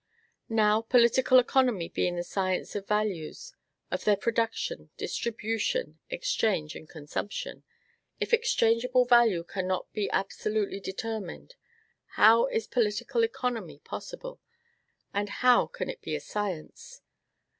Now, political economy being the science of values, of their production, distribution, exchange, and consumption, if exchangeable value cannot be absolutely determined, how is political economy possible? How can it be a science?